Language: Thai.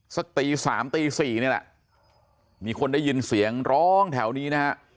สักตีสามตีสี่นี่แหละมีคนได้ยินเสียงร้องแถวนี้นะฮะ